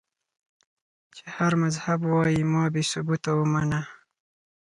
چې هر مذهب وائي ما بې ثبوته اومنه